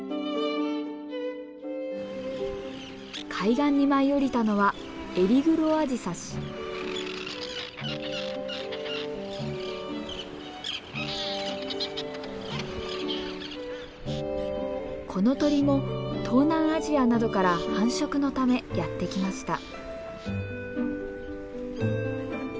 海岸に舞い降りたのはこの鳥も東南アジアなどから繁殖のためやって来ました。